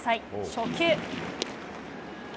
初球。